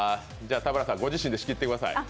田村さん、ご自身で仕切ってください。